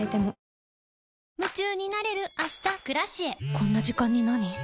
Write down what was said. こんな時間になに？